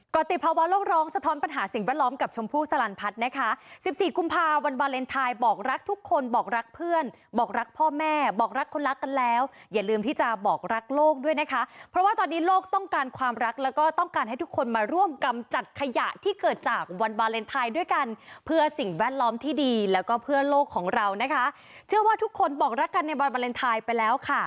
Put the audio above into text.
กรติภาวะโลกร้องสะท้อนปัญหาสิ่งแวดล้อมกับชมพูสลันพัฒน์นะคะ๑๔กุมภาวันบาเลนไทยบอกรักทุกคนบอกรักเพื่อนบอกรักพ่อแม่บอกรักคนรักกันแล้วอย่าลืมที่จะบอกรักโลกด้วยนะคะเพราะว่าตอนนี้โลกต้องการความรักแล้วก็ต้องการให้ทุกคนมาร่วมกำจัดขยะที่เกิดจากวันบาเลนไทยด้วยกันเพื่อสิ่งแวดล